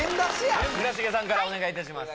村重さんからお願いいたします